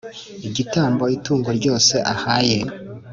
Igitambo itungo ryose ahaye